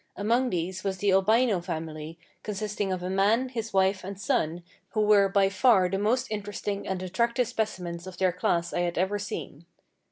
Among these, was the Albino family, consisting of a man, his wife, and son, who were by far the most interesting and attractive specimens of their class I had ever seen.